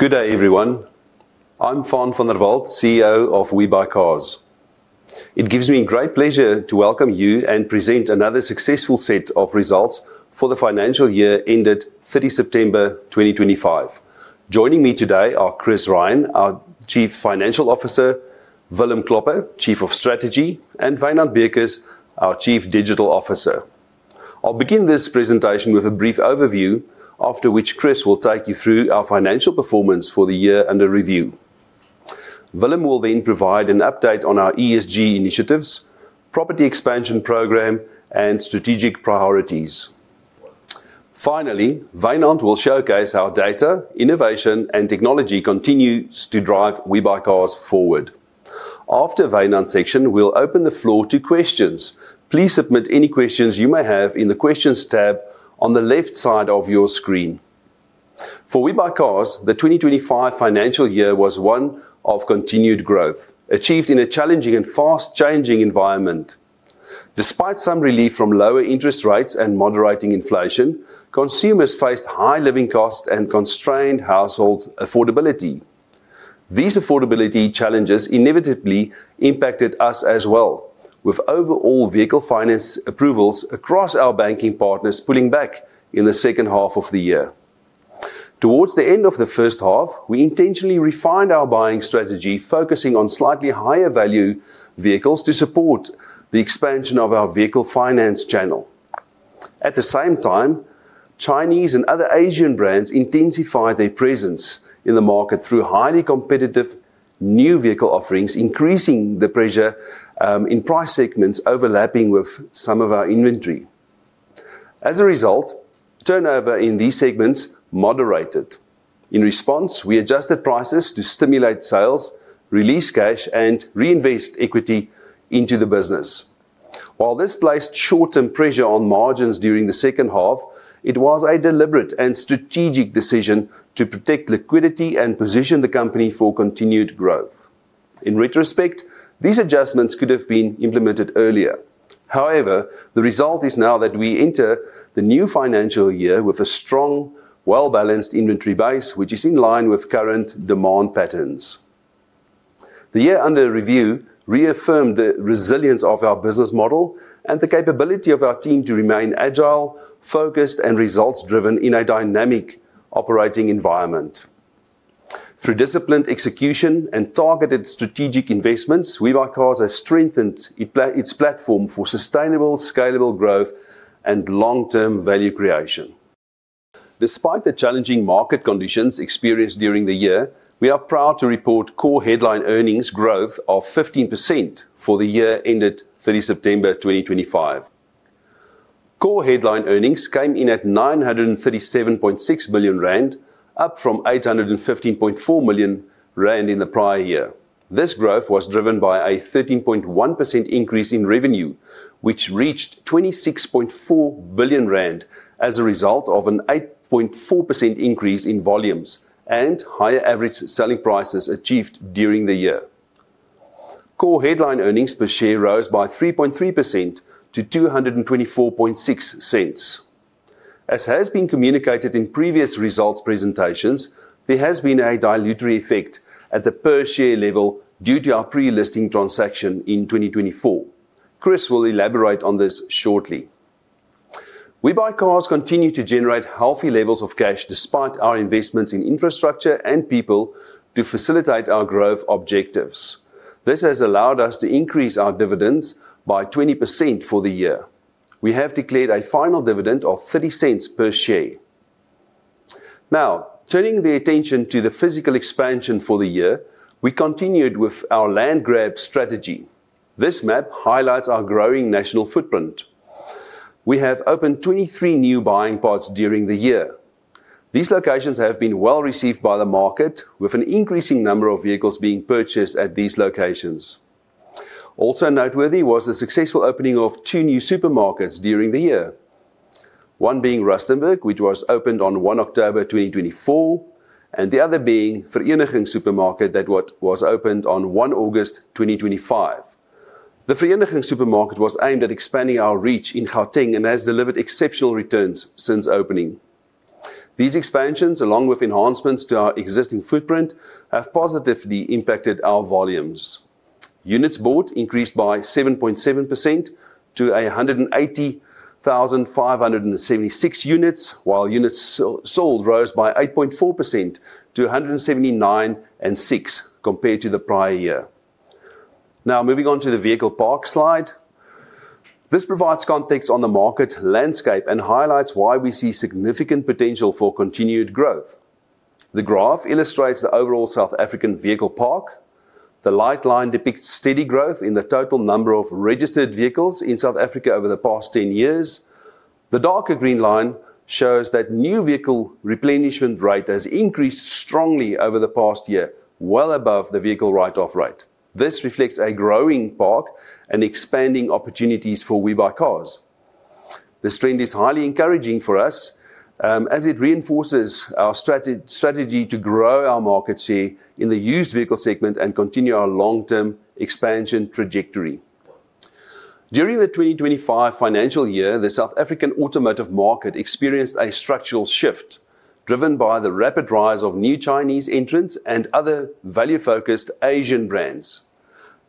Good day, everyone. I'm Faan van der Walt, CEO of WeBuyCars. It gives me great pleasure to welcome you and present another successful set of results for the financial year ended 30 September 2025. Joining me today are Chris Rein, our Chief Financial Officer; Willem Klopper, Chief Strategy Officer; and Wynand Beukes, our Chief Digital Officer. I'll begin this presentation with a brief overview, after which Chris will take you through our financial performance for the year under review. Willem will then provide an update on our ESG initiatives, property expansion program, and strategic priorities. Finally, Wynand will showcase how data, innovation, and technology continue to drive WeBuyCars forward. After Wynand's section, we'll open the floor to questions. Please submit any questions you may have in the questions tab on the left side of your screen. For WeBuyCars, the 2025 financial year was one of continued growth, achieved in a challenging and fast-changing environment. Despite some relief from lower interest rates and moderating inflation, consumers faced high living costs and constrained household affordability. These affordability challenges inevitably impacted us as well, with overall vehicle finance approvals across our banking partners pulling back in the second half of the year. Towards the end of the first half, we intentionally refined our buying strategy, focusing on slightly higher-value vehicles to support the expansion of our vehicle finance channel. At the same time, Chinese and other Asian brands intensified their presence in the market through highly competitive new vehicle offerings, increasing the pressure in price segments overlapping with some of our inventory. As a result, turnover in these segments moderated. In response, we adjusted prices to stimulate sales, release cash, and reinvest equity into the business. While this placed short-term pressure on margins during the second half, it was a deliberate and strategic decision to protect liquidity and position the company for continued growth. In retrospect, these adjustments could have been implemented earlier. However, the result is now that we enter the new financial year with a strong, well-balanced inventory base, which is in line with current demand patterns. The year under review reaffirmed the resilience of our business model and the capability of our team to remain agile, focused, and results-driven in a dynamic operating environment. Through disciplined execution and targeted strategic investments, WeBuyCars has strengthened its platform for sustainable, scalable growth and long-term value creation. Despite the challenging market conditions experienced during the year, we are proud to report core headline earnings growth of 15% for the year ended 30th September 2025. Core headline earnings came in at 937.6 million rand, up from 815.4 million rand in the prior year. This growth was driven by a 13.1% increase in revenue, which reached 26.4 billion rand as a result of an 8.4% increase in volumes and higher average selling prices achieved during the year. Core headline earnings per share rose by 3.3% to 224.60. As has been communicated in previous results presentations, there has been a dilutory effect at the per-share level due to our pre-listing transaction in 2024. Chris will elaborate on this shortly. WeBuyCars continues to generate healthy levels of cash despite our investments in infrastructure and people to facilitate our growth objectives. This has allowed us to increase our dividends by 20% for the year. We have declared a final dividend of 0.30 per share. Now, turning the attention to the physical expansion for the year, we continued with our land grab strategy. This map highlights our growing national footprint. We have opened 23 new buying pods during the year. These locations have been well received by the market, with an increasing number of vehicles being purchased at these locations. Also noteworthy was the successful opening of two new supermarkets during the year, one being Rustenburg, which was opened on 1 October 2024, and the other being Vereeniging supermarket that was opened on 1 August 2025. The Vereeniging supermarket was aimed at expanding our reach in Gauteng and has delivered exceptional returns since opening. These expansions, along with enhancements to our existing footprint, have positively impacted our volumes. Units bought increased by 7.7% to 180,576 units, while units sold rose by 8.4% to 179,600 compared to the prior year. Now, moving on to the vehicle park slide, this provides context on the market landscape and highlights why we see significant potential for continued growth. The graph illustrates the overall South African vehicle park. The light line depicts steady growth in the total number of registered vehicles in South Africa over the past 10 years. The darker green line shows that new vehicle replenishment rate has increased strongly over the past year, well above the vehicle write-off rate. This reflects a growing park and expanding opportunities for WeBuyCars. This trend is highly encouraging for us as it reinforces our strategy to grow our market share in the used vehicle segment and continue our long-term expansion trajectory. During the 2025 financial year, the South African automotive market experienced a structural shift driven by the rapid rise of new Chinese entrants and other value-focused Asian brands.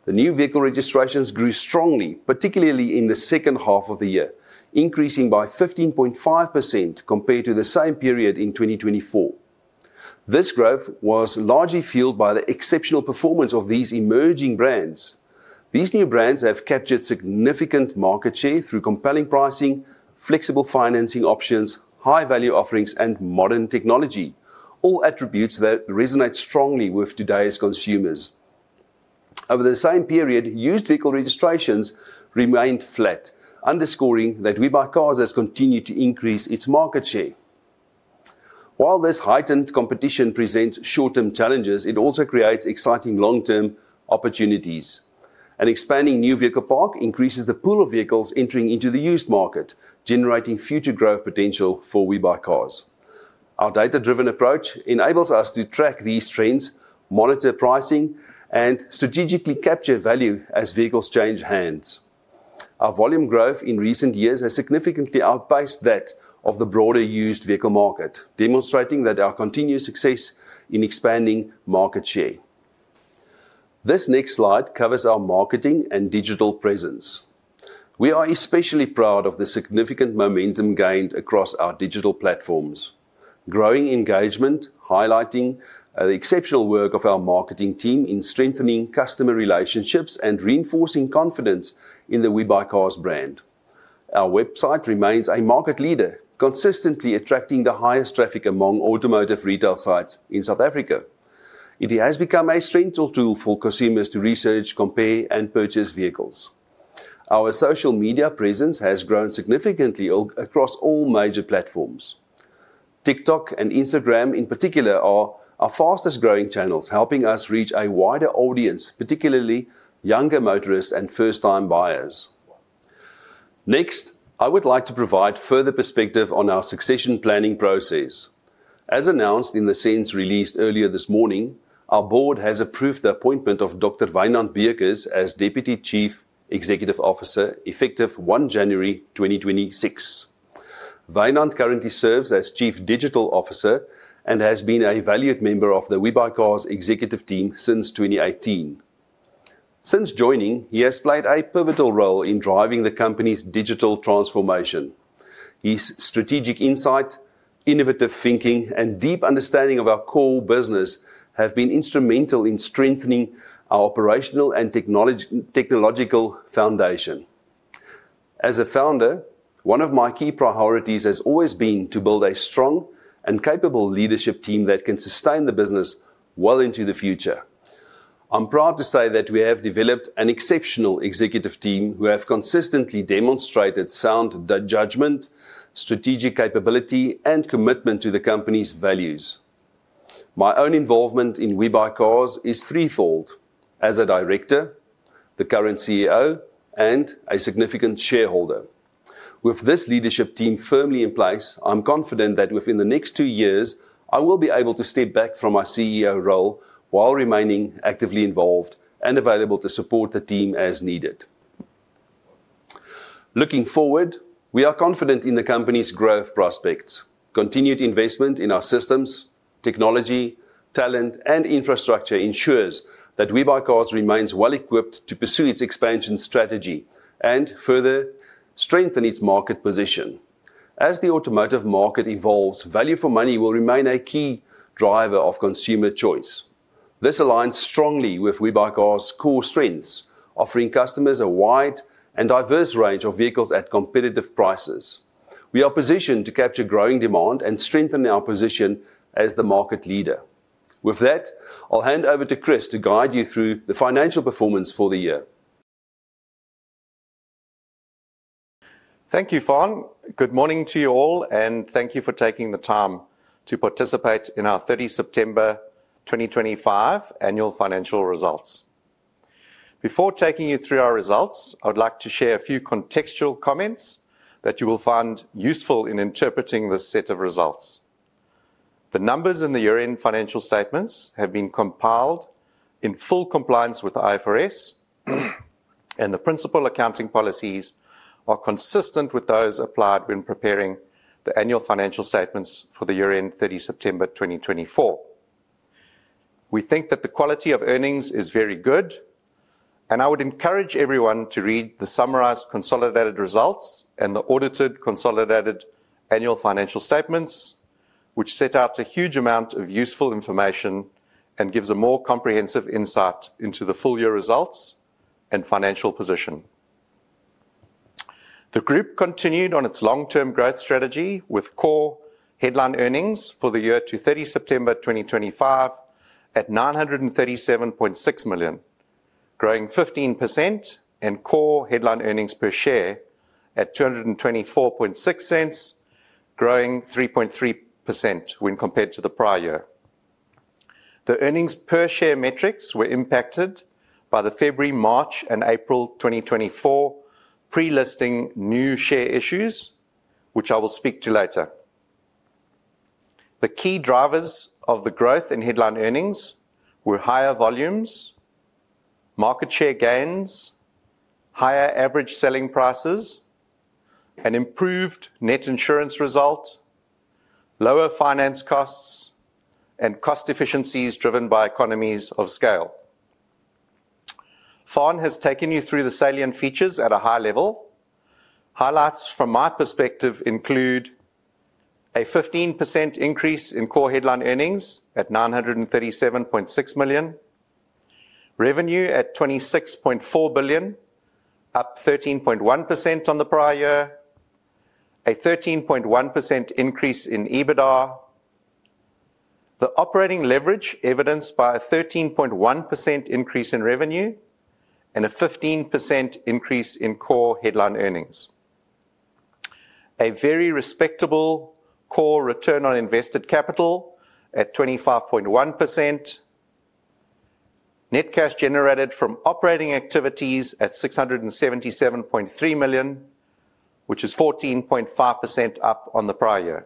The new vehicle registrations grew strongly, particularly in the second half of the year, increasing by 15.5% compared to the same period in 2024. This growth was largely fueled by the exceptional performance of these emerging brands. These new brands have captured significant market share through compelling pricing, flexible financing options, high-value offerings, and modern technology, all attributes that resonate strongly with today's consumers. Over the same period, used vehicle registrations remained flat, underscoring that WeBuyCars has continued to increase its market share. While this heightened competition presents short-term challenges, it also creates exciting long-term opportunities. An expanding new vehicle park increases the pool of vehicles entering into the used market, generating future growth potential for WeBuyCars. Our data-driven approach enables us to track these trends, monitor pricing, and strategically capture value as vehicles change hands. Our volume growth in recent years has significantly outpaced that of the broader used vehicle market, demonstrating our continued success in expanding market share. This next slide covers our marketing and digital presence. We are especially proud of the significant momentum gained across our digital platforms. Growing engagement highlights the exceptional work of our marketing team in strengthening customer relationships and reinforcing confidence in the WeBuyCars brand. Our website remains a market leader, consistently attracting the highest traffic among automotive retail sites in South Africa. It has become a central tool for consumers to research, compare, and purchase vehicles. Our social media presence has grown significantly across all major platforms. TikTok and Instagram, in particular, are our fastest-growing channels, helping us reach a wider audience, particularly younger motorists and first-time buyers. Next, I would like to provide further perspective on our succession planning process. As announced in the SENS released earlier this morning, our board has approved the appointment of Dr. Wynand Beukes as Deputy Chief Executive Officer effective 1 January 2026. Wynand currently serves as Chief Digital Officer and has been a valued member of the WeBuyCars executive team since 2018. Since joining, he has played a pivotal role in driving the company's digital transformation. His strategic insight, innovative thinking, and deep understanding of our core business have been instrumental in strengthening our operational and technological foundation. As a founder, one of my key priorities has always been to build a strong and capable leadership team that can sustain the business well into the future. I'm proud to say that we have developed an exceptional executive team who have consistently demonstrated sound judgment, strategic capability, and commitment to the company's values. My own involvement in WeBuyCars is threefold: as a Director, the current CEO, and a significant shareholder. With this leadership team firmly in place, I'm confident that within the next two years, I will be able to step back from my CEO role while remaining actively involved and available to support the team as needed. Looking forward, we are confident in the company's growth prospects. Continued investment in our systems, technology, talent, and infrastructure ensures that WeBuyCars remains well-equipped to pursue its expansion strategy and further strengthen its market position. As the automotive market evolves, value for money will remain a key driver of consumer choice. This aligns strongly with WeBuyCars' core strengths, offering customers a wide and diverse range of vehicles at competitive prices. We are positioned to capture growing demand and strengthen our position as the market leader. With that, I'll hand over to Chris to guide you through the financial performance for the year. Thank you, Faan. Good morning to you all, and thank you for taking the time to participate in our 30 September 2025 annual financial results. Before taking you through our results, I would like to share a few contextual comments that you will find useful in interpreting this set of results. The numbers in the year-end financial statements have been compiled in full compliance with IFRS, and the principal accounting policies are consistent with those applied when preparing the annual financial statements for the year-end 30 September 2024. We think that the quality of earnings is very good, and I would encourage everyone to read the summarized consolidated results and the audited consolidated annual financial statements, which set out a huge amount of useful information and gives a more comprehensive insight into the full year results and financial position. The group continued on its long-term growth strategy with core headline earnings for the year to 30 September 2025 at 937.6 million, growing 15%, and core headline earnings per share at 224.60, growing 3.3% when compared to the prior year. The earnings per share metrics were impacted by the February, March, and April 2024 pre-listing new share issues, which I will speak to later. The key drivers of the growth in headline earnings were higher volumes, market share gains, higher average selling prices, an improved net insurance result, lower finance costs, and cost efficiencies driven by economies of scale. Faan has taken you through the salient features at a high level. Highlights from my perspective include a 15% increase in core headline earnings at 937.6 million, revenue at 26.4 billion, up 13.1% on the prior year, a 13.1% increase in EBITDA, the operating leverage evidenced by a 13.1% increase in revenue, and a 15% increase in core headline earnings. A very respectable core return on invested capital at 25.1%, net cash generated from operating activities at 677.3 million, which is 14.5% up on the prior year,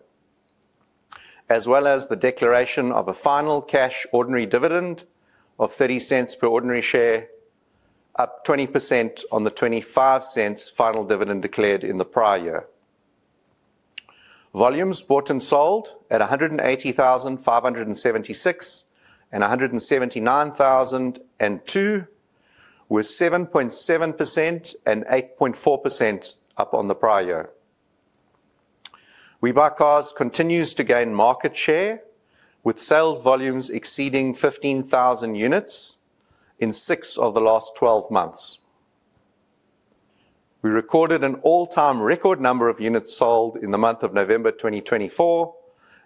as well as the declaration of a final cash ordinary dividend of 0.30 per ordinary share, up 20% on the 0.25 final dividend declared in the prior year. Volumes bought and sold at 180,576 and 179,002 were 7.7% and 8.4% up on the prior year. WeBuyCars continues to gain market share, with sales volumes exceeding 15,000 units in six of the last 12 months. We recorded an all-time record number of units sold in the month of November 2024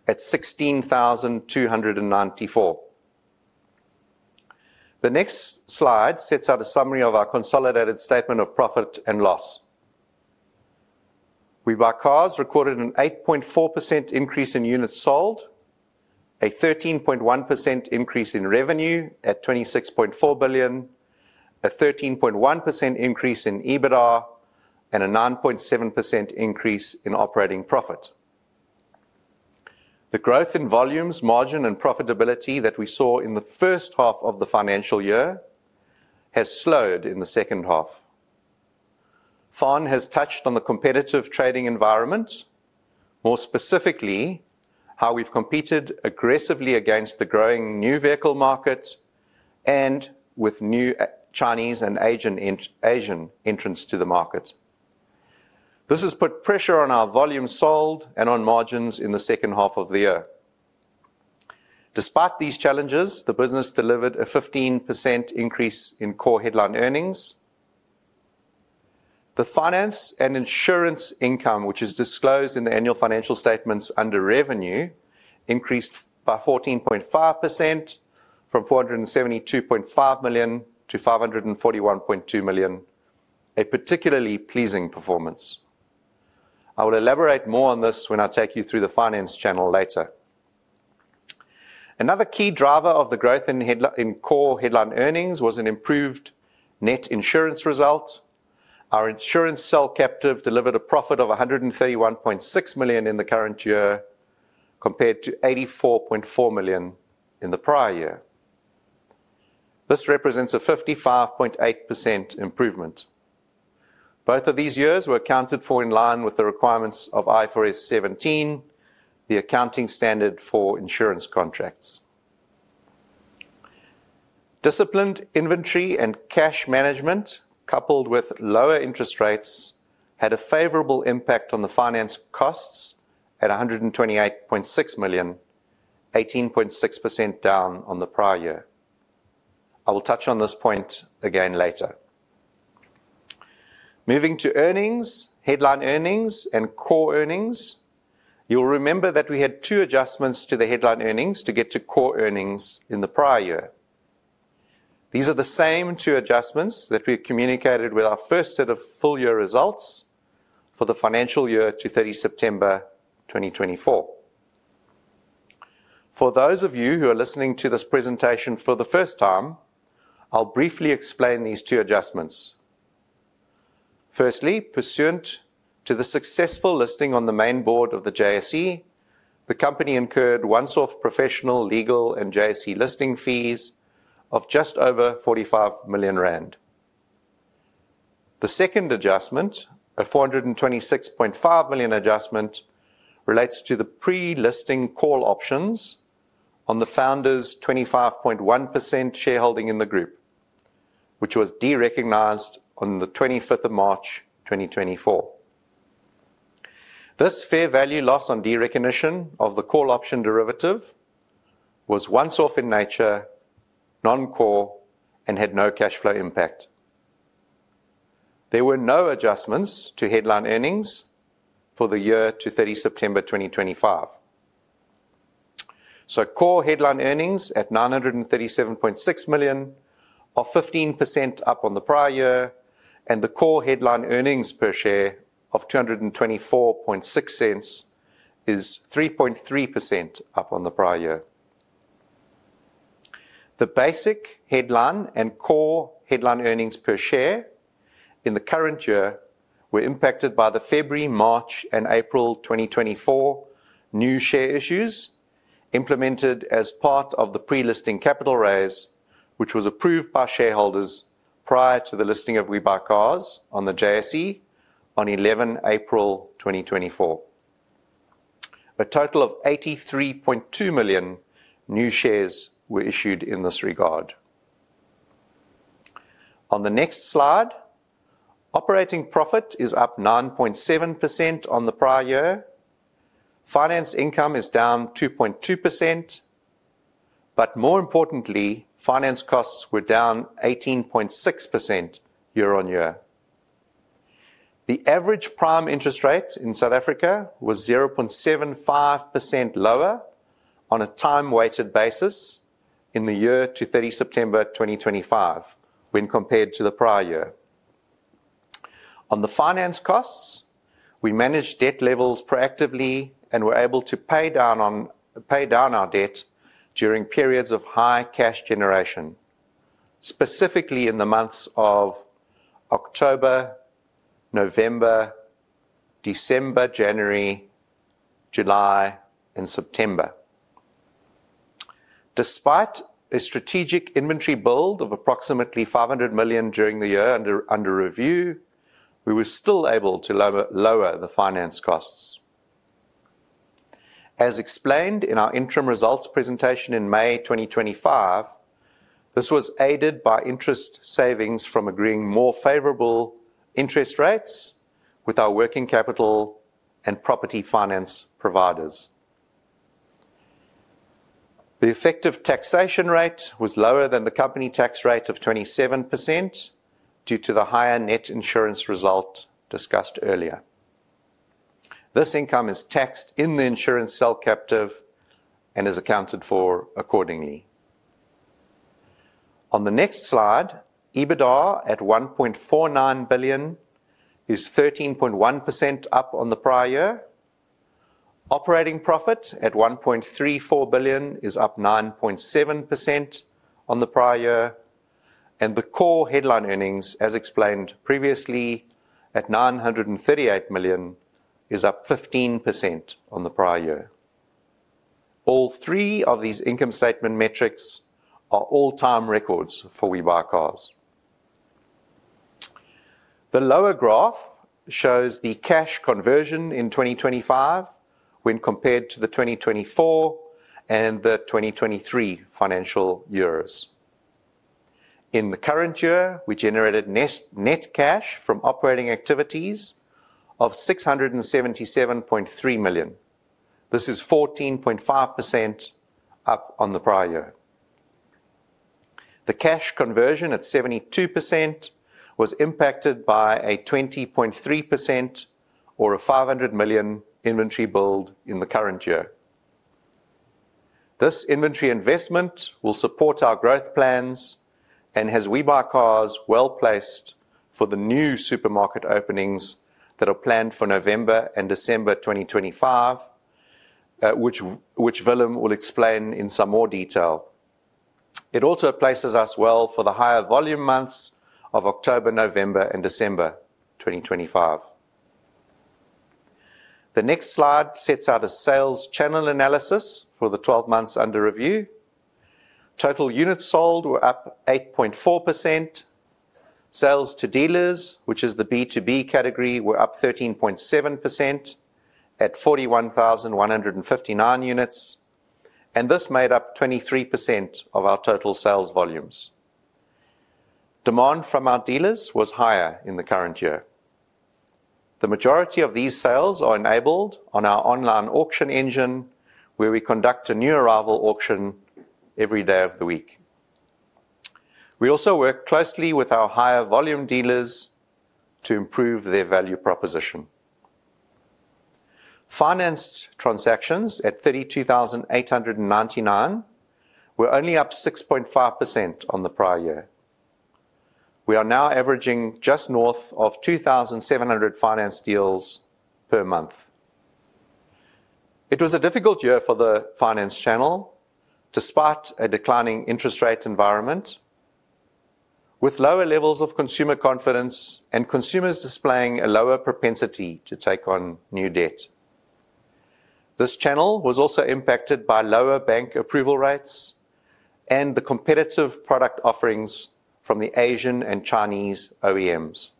at 16,294. The next slide sets out a summary of our consolidated statement of profit and loss. WeBuyCars recorded an 8.4% increase in units sold, a 13.1% increase in revenue at 26.4 billion, a 13.1% increase in EBITDA, and a 9.7% increase in operating profit. The growth in volumes, margin, and profitability that we saw in the first half of the financial year has slowed in the second half. Faan has touched on the competitive trading environment, more specifically how we've competed aggressively against the growing new vehicle market and with new Chinese and Asian entrants to the market. This has put pressure on our volumes sold and on margins in the second half of the year. Despite these challenges, the business delivered a 15% increase in core headline earnings. The finance and insurance income, which is disclosed in the annual financial statements under revenue, increased by 14.5% from 472.5 million to 541.2 million, a particularly pleasing performance. I will elaborate more on this when I take you through the finance channel later. Another key driver of the growth in core headline earnings was an improved net insurance result. Our insurance sale captive delivered a profit of 131.6 million in the current year, compared to 84.4 million in the prior year. This represents a 55.8% improvement. Both of these years were accounted for in line with the requirements of IFRS 17, the accounting standard for insurance contracts. Disciplined inventory and cash management, coupled with lower interest rates, had a favorable impact on the finance costs at 128.6 million, 18.6% down on the prior year. I will touch on this point again later. Moving to earnings, headline earnings and core earnings, you will remember that we had two adjustments to the headline earnings to get to core earnings in the prior year. These are the same two adjustments that we communicated with our first set of full year results for the financial year to 30 September 2024. For those of you who are listening to this presentation for the first time, I'll briefly explain these two adjustments. Firstly, pursuant to the successful listing on the main board of the JSE, the company incurred one-off professional, legal, and JSE listing fees of just over 45 million rand. The second adjustment, a 426.5 million adjustment, relates to the pre-listing call options on the founder's 25.1% shareholding in the group, which was derecognized on the 25th of March 2024. This fair value loss on derecognition of the call option derivative was one-off in nature, non-core, and had no cash flow impact. There were no adjustments to headline earnings for the year to 30 September 2025. Core headline earnings at 937.6 million, off 15% up on the prior year, and the core headline earnings per share of 224.60 is 3.3% up on the prior year. The basic headline and core headline earnings per share in the current year were impacted by the February, March, and April 2024 new share issues implemented as part of the pre-listing capital raise, which was approved by shareholders prior to the listing of WeBuyCars on the JSE on 11 April 2024. A total of 83.2 million new shares were issued in this regard. On the next slide, operating profit is up 9.7% on the prior year. Finance income is down 2.2%, but more importantly, finance costs were down 18.6% year-on-year. The average prime interest rate in South Africa was 0.75% lower on a time-weighted basis in the year to 30 September 2025 when compared to the prior year. On the finance costs, we managed debt levels proactively and were able to pay down our debt during periods of high cash generation, specifically in the months of October, November, December, January, July, and September. Despite a strategic inventory build of approximately 500 million during the year under review, we were still able to lower the finance costs. As explained in our interim results presentation in May 2025, this was aided by interest savings from agreeing more favorable interest rates with our working capital and property finance providers. The effective taxation rate was lower than the company tax rate of 27% due to the higher net insurance result discussed earlier. This income is taxed in the insurance sale captive and is accounted for accordingly. On the next slide, EBITDA at 1.49 billion is 13.1% up on the prior year. Operating profit at 1.34 billion is up 9.7% on the prior year, and the core headline earnings, as explained previously, at 938 million, is up 15% on the prior year. All three of these income statement metrics are all-time records for WeBuyCars. The lower graph shows the cash conversion in 2025 when compared to the 2024 and the 2023 financial years. In the current year, we generated net cash from operating activities of 677.3 million. This is 14.5% up on the prior year. The cash conversion at 72% was impacted by a 20.3% or a 500 million inventory build in the current year. This inventory investment will support our growth plans and has WeBuyCars well placed for the new supermarket openings that are planned for November and December 2025, which Willem will explain in some more detail. It also places us well for the higher volume months of October, November, and December 2025. The next slide sets out a sales channel analysis for the 12 months under review. Total units sold were up 8.4%. Sales to dealers, which is the B2B category, were up 13.7% at 41,159 units, and this made up 23% of our total sales volumes. Demand from our dealers was higher in the current year. The majority of these sales are enabled on our online auction engine, where we conduct a new arrival auction every day of the week. We also work closely with our higher volume dealers to improve their value proposition. Financed transactions at 32,899 were only up 6.5% on the prior year. We are now averaging just north of 2,700 finance deals per month. It was a difficult year for the finance channel despite a declining interest rate environment, with lower levels of consumer confidence and consumers displaying a lower propensity to take on new debt. This channel was also impacted by lower bank approval rates and the competitive product offerings from the Asian and Chinese OEMs.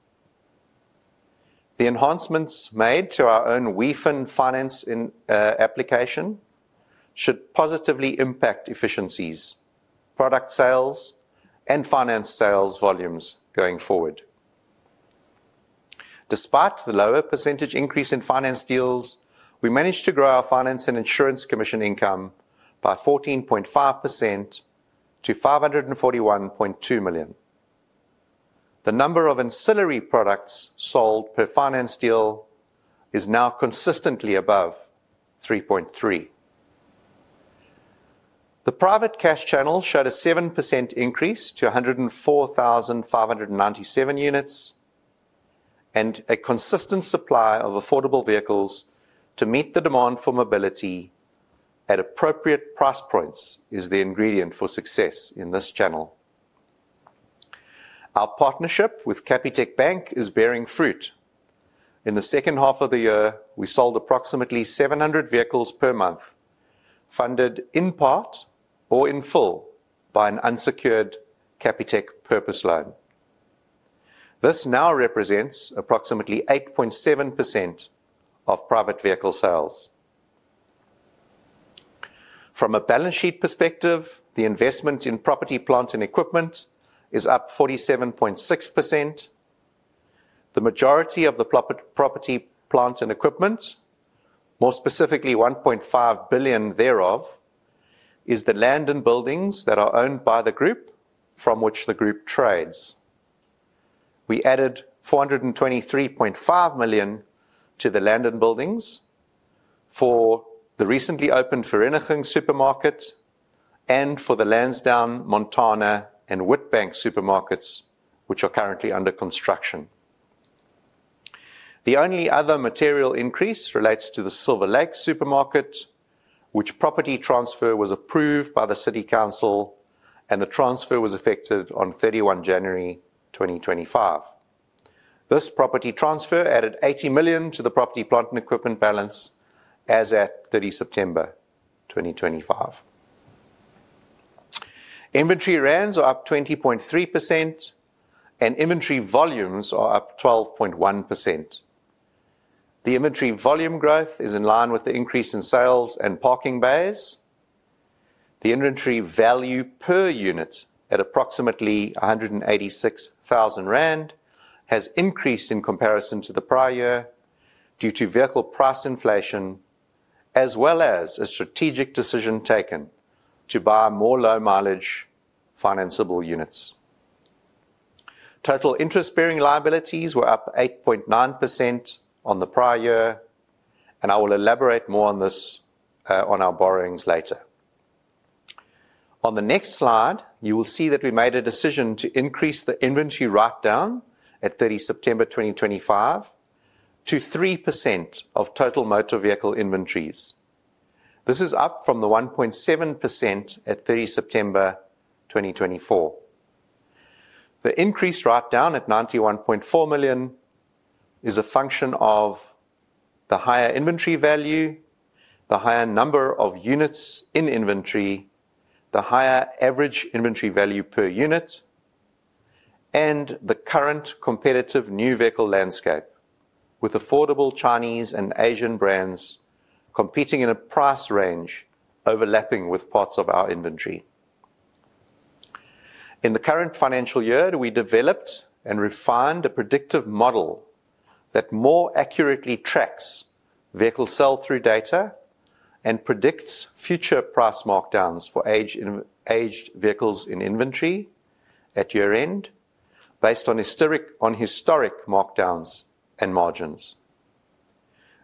The enhancements made to our own WeFin finance application should positively impact efficiencies, product sales, and finance sales volumes going forward. Despite the lower percentage increase in finance deals, we managed to grow our finance and insurance commission income by 14.5% to 541.2 million. The number of ancillary products sold per finance deal is now consistently above 3.3. The private cash channel showed a 7% increase to 104,597 units, and a consistent supply of affordable vehicles to meet the demand for mobility at appropriate price points is the ingredient for success in this channel. Our partnership with Capitec Bank is bearing fruit. In the second half of the year, we sold approximately 700 vehicles per month, funded in part or in full by an unsecured Capitec Purpose Loan. This now represents approximately 8.7% of private vehicle sales. From a balance sheet perspective, the investment in property, plants, and equipment is up 47.6%. The majority of the property, plants, and equipment, more specifically 1.5 billion thereof, is the land and buildings that are owned by the group from which the group trades. We added 423.5 million to the land and buildings for the recently opened Vereeniging supermarket and for the Lansdowne, Montana, and Witbank supermarkets, which are currently under construction. The only other material increase relates to the Silver Lake supermarket, which property transfer was approved by the City Council, and the transfer was effected on 31 January 2025. This property transfer added 80 million to the property, plant, and equipment balance as at 30 September 2025. Inventory runs are up 20.3%, and inventory volumes are up 12.1%. The inventory volume growth is in line with the increase in sales and parking bays. The inventory value per unit at approximately 186,000 rand has increased in comparison to the prior year due to vehicle price inflation, as well as a strategic decision taken to buy more low-mileage financeable units. Total interest-bearing liabilities were up 8.9% on the prior year, and I will elaborate more on this on our borrowings later. On the next slide, you will see that we made a decision to increase the inventory write-down at 30 September 2025 to 3% of total motor vehicle inventories. This is up from the 1.7% at 30 September 2024. The increased write-down at 91.4 million is a function of the higher inventory value, the higher number of units in inventory, the higher average inventory value per unit, and the current competitive new vehicle landscape, with affordable Chinese and Asian brands competing in a price range overlapping with parts of our inventory. In the current financial year, we developed and refined a predictive model that more accurately tracks vehicle sale-through data and predicts future price markdowns for aged vehicles in inventory at year-end based on historic markdowns and margins.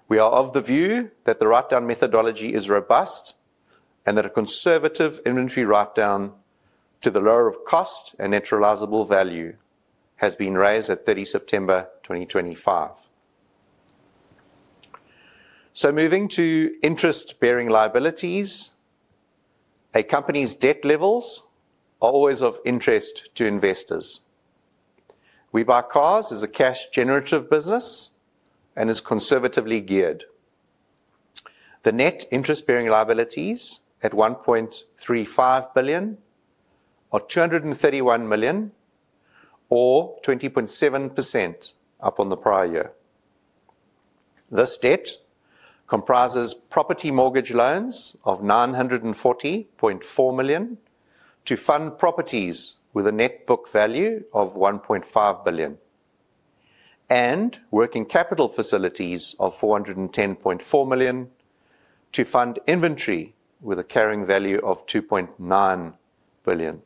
We are of the view that the write-down methodology is robust and that a conservative inventory write-down to the lower of cost and net realizable value has been raised at 30 September 2025. Moving to interest-bearing liabilities, a company's debt levels are always of interest to investors. WeBuyCars is a cash-generative business and is conservatively geared. The net interest-bearing liabilities at 1.35 billion are 231 million, or 20.7% up on the prior year. This debt comprises property mortgage loans of 940.4 million to fund properties with a net book value of 1.5 billion, and working capital facilities of 410.4 million to fund inventory with a carrying value of 2.9 billion.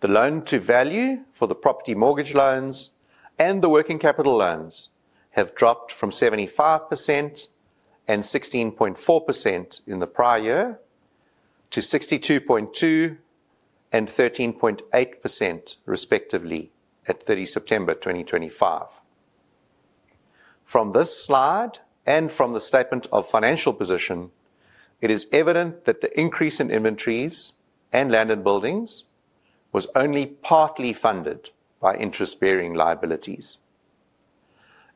The loan-to-value for the property mortgage loans and the working capital loans have dropped from 75% and 16.4% in the prior year to 62.2% and 13.8% respectively at 30 September 2025. From this slide and from the statement of financial position, it is evident that the increase in inventories and land and buildings was only partly funded by interest-bearing liabilities.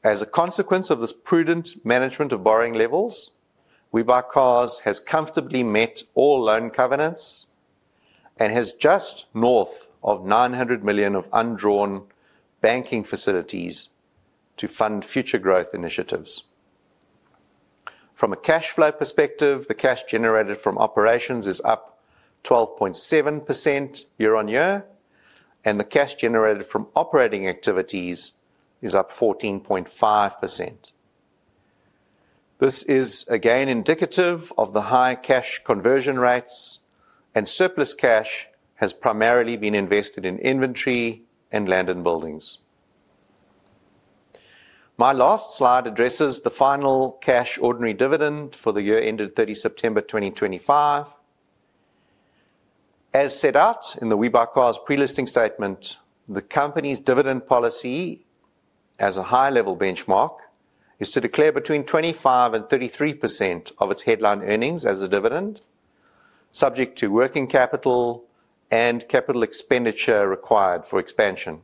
As a consequence of this prudent management of borrowing levels, WeBuyCars has comfortably met all loan covenants and has just north of 900 million of undrawn banking facilities to fund future growth initiatives. From a cash flow perspective, the cash generated from operations is up 12.7% year-on-year, and the cash generated from operating activities is up 14.5%. This is again indicative of the high cash conversion rates, and surplus cash has primarily been invested in inventory and land and buildings. My last slide addresses the final cash ordinary dividend for the year ended 30 September 2025. As set out in the WeBuyCars pre-listing statement, the company's dividend policy, as a high-level benchmark, is to declare between 25% and 33% of its headline earnings as a dividend, subject to working capital and capital expenditure required for expansion.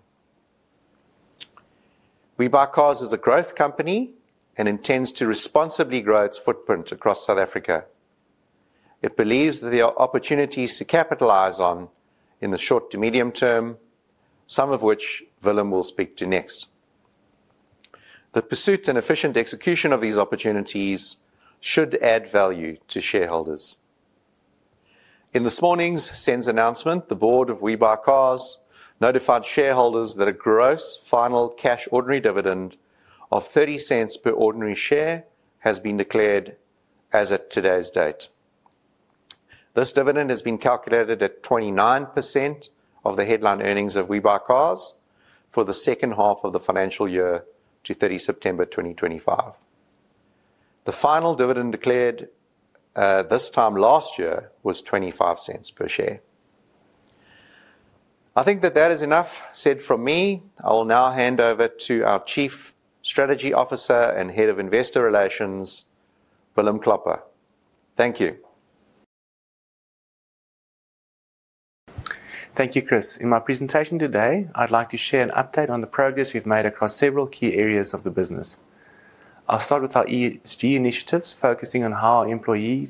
WeBuyCars is a growth company and intends to responsibly grow its footprint across South Africa. It believes that there are opportunities to capitalize on in the short to medium term, some of which Willem will speak to next. The pursuit and efficient execution of these opportunities should add value to shareholders. In this morning's SENS announcement, the board of WeBuyCars notified shareholders that a gross final cash ordinary dividend of 0.30 per ordinary share has been declared as of today's date. This dividend has been calculated at 29% of the headline earnings of WeBuyCars for the second half of the financial year to 30 September 2025. The final dividend declared this time last year was 0.25 per share. I think that that is enough said from me. I will now hand over to our Chief Strategy Officer and Head of Investor Relations, Willem Klopper. Thank you. Thank you, Chris. In my presentation today, I'd like to share an update on the progress we've made across several key areas of the business. I'll start with our ESG initiatives, focusing on how our employee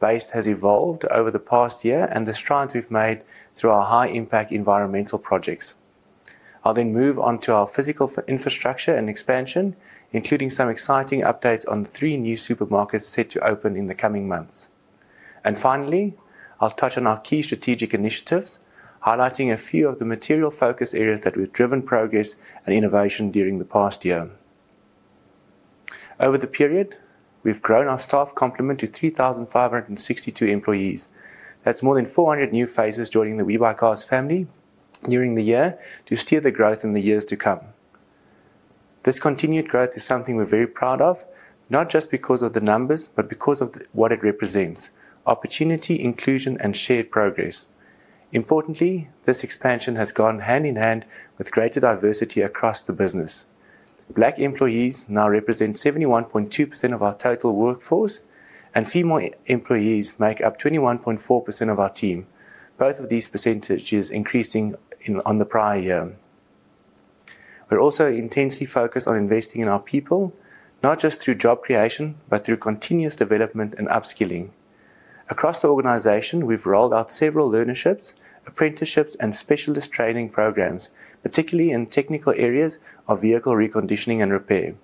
base has evolved over the past year and the strides we've made through our high-impact environmental projects. I'll then move on to our physical infrastructure and expansion, including some exciting updates on the three new supermarkets set to open in the coming months. Finally, I'll touch on our key strategic initiatives, highlighting a few of the material focus areas that we've driven progress and innovation during the past year. Over the period, we've grown our staff complement to 3,562 employees. That's more than 400 new faces joining the WeBuyCars family during the year to steer the growth in the years to come. This continued growth is something we're very proud of, not just because of the numbers, but because of what it represents: opportunity, inclusion, and shared progress. Importantly, this expansion has gone hand in hand with greater diversity across the business. Black employees now represent 71.2% of our total workforce, and female employees make up 21.4% of our team, both of these percentages increasing on the prior year. We're also intensely focused on investing in our people, not just through job creation, but through continuous development and upskilling. Across the organization, we've rolled out several learnerships, apprenticeships, and specialist training programs, particularly in technical areas of vehicle reconditioning and repair.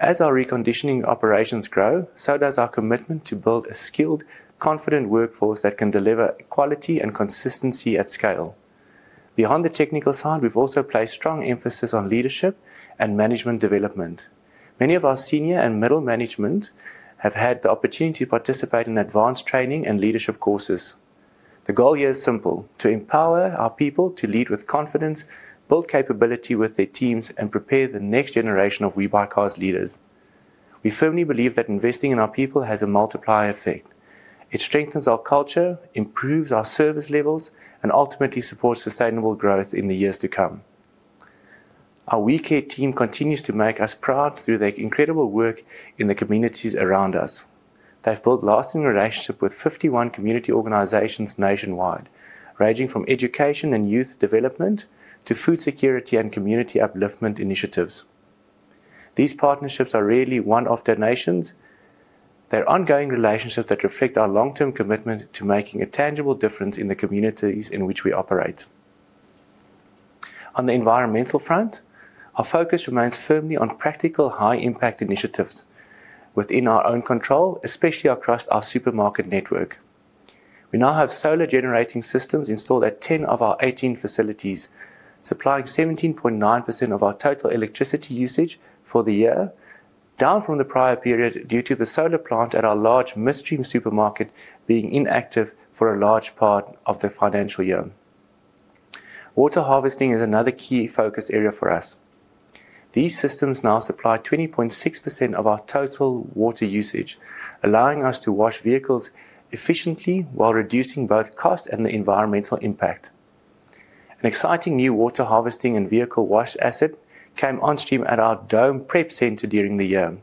As our reconditioning operations grow, so does our commitment to build a skilled, confident workforce that can deliver quality and consistency at scale. Behind the technical side, we've also placed strong emphasis on leadership and management development. Many of our senior and middle management have had the opportunity to participate in advanced training and leadership courses. The goal here is simple: to empower our people to lead with confidence, build capability with their teams, and prepare the next generation of WeBuyCars leaders. We firmly believe that investing in our people has a multiplier effect. It strengthens our culture, improves our service levels, and ultimately supports sustainable growth in the years to come. Our [WeCare] team continues to make us proud through their incredible work in the communities around us. They've built lasting relationships with 51 community organizations nationwide, ranging from education and youth development to food security and community upliftment initiatives. These partnerships are rarely one-off donations. They're ongoing relationships that reflect our long-term commitment to making a tangible difference in the communities in which we operate. On the environmental front, our focus remains firmly on practical high-impact initiatives within our own control, especially across our supermarket network. We now have solar-generating systems installed at 10 of our 18 facilities, supplying 17.9% of our total electricity usage for the year, down from the prior period due to the solar plant at our large Midstream supermarket being inactive for a large part of the financial year. Water harvesting is another key focus area for us. These systems now supply 20.6% of our total water usage, allowing us to wash vehicles efficiently while reducing both cost and the environmental impact. An exciting new water harvesting and vehicle wash asset came on stream at our Dome Prep Center during the year.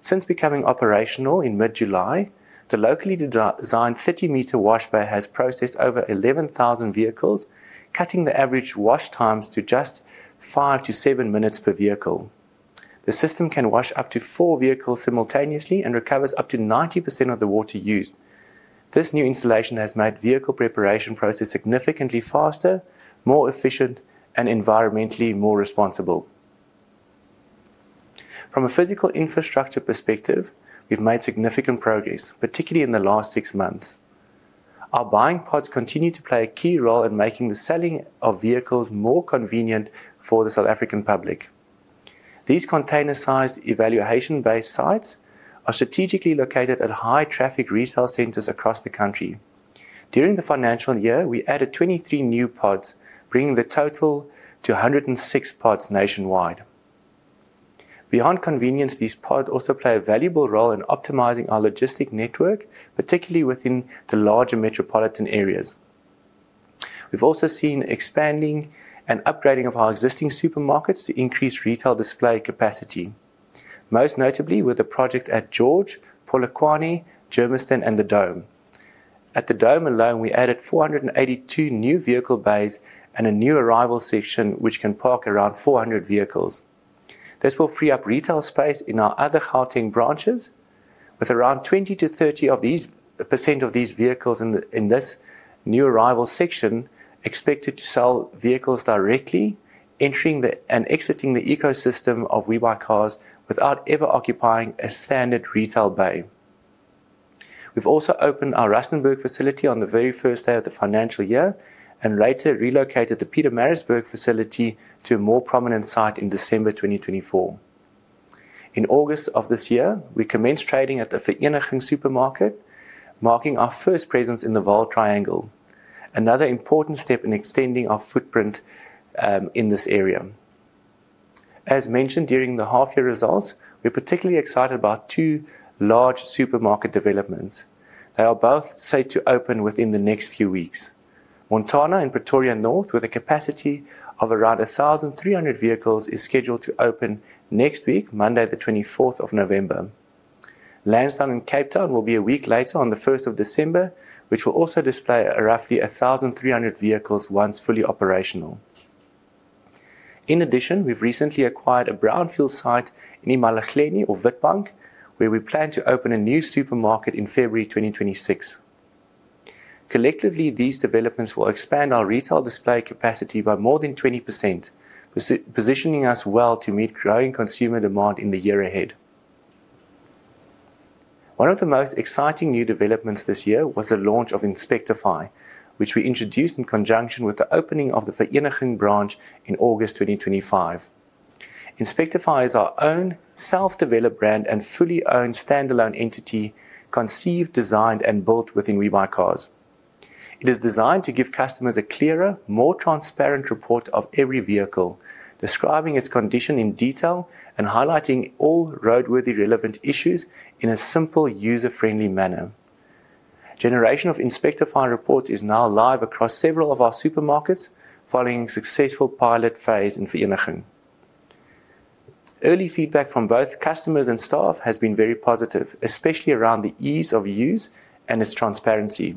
Since becoming operational in mid-July, the locally designed 30-meter wash bay has processed over 11,000 vehicles, cutting the average wash times to just five to seven minutes per vehicle. The system can wash up to four vehicles simultaneously and recovers up to 90% of the water used. This new installation has made the vehicle preparation process significantly faster, more efficient, and environmentally more responsible. From a physical infrastructure perspective, we've made significant progress, particularly in the last six months. Our buying pods continue to play a key role in making the selling of vehicles more convenient for the South African public. These container-sized evaluation-based sites are strategically located at high-traffic retail centers across the country. During the financial year, we added 23 new pods, bringing the total to 106 pods nationwide. Beyond convenience, these pods also play a valuable role in optimizing our logistic network, particularly within the larger metropolitan areas. We've also seen the expanding and upgrading of our existing supermarkets to increase retail display capacity, most notably with the project at George, Polokwane, Germiston, and the Dome. At the Dome alone, we added 482 new vehicle bays and a new arrivals section, which can park around 400 vehicles. This will free up retail space in our other Gauteng branches, with around 20%-30% of these vehicles in this new arrivals section expected to sell vehicles directly, entering and exiting the ecosystem of WeBuyCars without ever occupying a standard retail bay. We've also opened our Rustenburg facility on the very first day of the financial year and later relocated the Pietermaritzburg facility to a more prominent site in December 2024. In August of this year, we commenced trading at the Vereeniging supermarket, marking our first presence in the Vaal Triangle, another important step in extending our footprint in this area. As mentioned during the half-year results, we're particularly excited about two large supermarket developments. They are both set to open within the next few weeks. Montana and Pretoria North, with a capacity of around 1,300 vehicles, is scheduled to open next week, Monday, the 24th of November. Lansdowne and Cape Town will be a week later on the 1st of December, which will also display roughly 1,300 vehicles once fully operational. In addition, we've recently acquired a brownfield site in Witbank, where we plan to open a new supermarket in February 2026. Collectively, these developments will expand our retail display capacity by more than 20%, positioning us well to meet growing consumer demand in the year ahead. One of the most exciting new developments this year was the launch of Inspectify, which we introduced in conjunction with the opening of the Vereeniging branch in August 2025. Inspectify is our own self-developed brand and fully owned standalone entity conceived, designed, and built within WeBuyCars. It is designed to give customers a clearer, more transparent report of every vehicle, describing its condition in detail and highlighting all roadworthy relevant issues in a simple, user-friendly manner. Generation of Inspectify reports is now live across several of our supermarkets following a successful pilot phase in Vereeniging. Early feedback from both customers and staff has been very positive, especially around the ease of use and its transparency.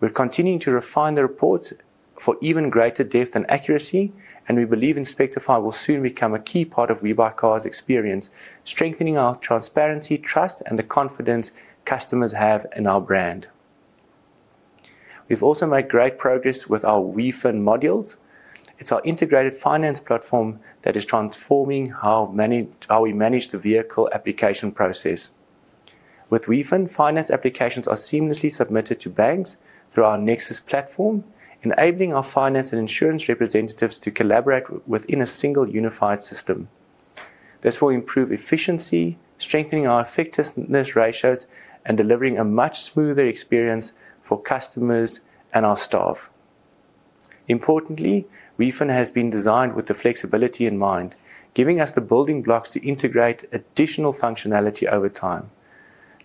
We're continuing to refine the reports for even greater depth and accuracy, and we believe Inspectify will soon become a key part of WeBuyCars' experience, strengthening our transparency, trust, and the confidence customers have in our brand. We've also made great progress with our WeFin modules. It's our integrated finance platform that is transforming how we manage the vehicle application process. With WeFin, finance applications are seamlessly submitted to banks through our NEXUS platform, enabling our finance and insurance representatives to collaborate within a single unified system. This will improve efficiency, strengthening our effectiveness ratios, and delivering a much smoother experience for customers and our staff. Importantly, WeFin has been designed with the flexibility in mind, giving us the building blocks to integrate additional functionality over time.